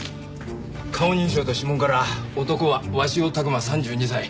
顔認証と指紋から男は鷲尾琢磨３２歳。